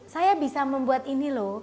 saya bisa membuat ini loh